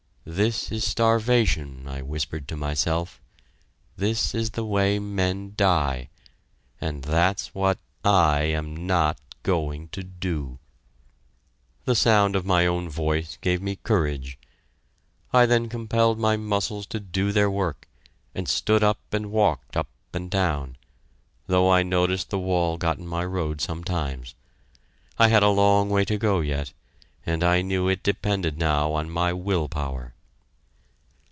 "This is starvation," I whispered to myself; "this is the way men die and that's what I am not going to do!" The sound of my own voice gave me courage. I then compelled my muscles to do their work, and stood up and walked up and down, though I noticed the wall got in my road sometimes. I had a long way to go yet, and I knew it depended now on my will power.